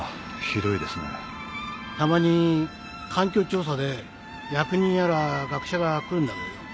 たまに環境調査で役人やら学者が来るんだけどよ